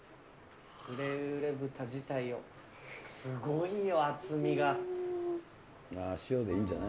嬉嬉豚自体を、すごいよ、厚みが。